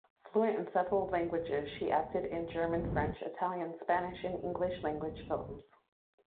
Fluent in several languages, she acted in German-, French-, Italian-, Spanish- and English-language films.